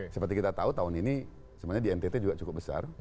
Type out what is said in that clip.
seperti kita tahu tahun ini sebenarnya di ntt juga cukup besar